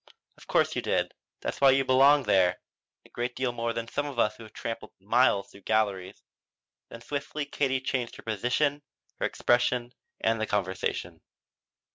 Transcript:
"Of course you did. That's why you belong there. A great deal more than some of us who've tramped miles through galleries." Then swiftly Katie changed her position, her expression and the conversation.